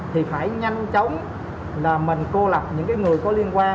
thì phải nhanh chóng là mình cô lập những người có liên quan